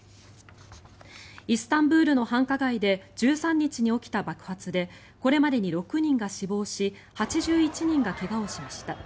イスタンブールの繁華街で１３日に起きた爆発でこれまでに６人が死亡し８１人が怪我をしました。